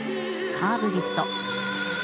カーブリフト。